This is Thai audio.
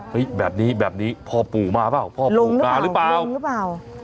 เห้ยแบบนี้แบบนี้พ่อปู่มาหรือเปล่าพ่อปู่กล่าหรือเปล่าลุงหรือเปล่าลุงหรือเปล่า